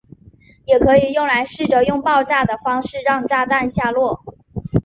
也可以用来试着用爆炸的方式让炸弹下落。